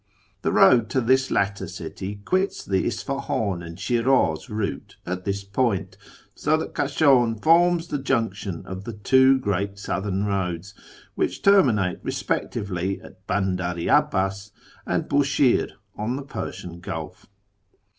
The road to this latter city quits the Isfahihi and Shi'raz route at this point, so that Kashan forms the junction of the two great southern roads which terminate respectively at Bandar i ' Abbas and Bushire on the l*ersian Gulf.